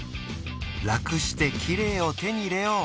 楽してキレイを手に入れよう！